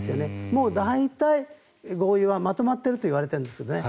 もう大体合意はまとまっているといわれているんですね。